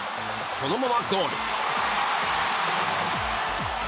そのまま、ゴール！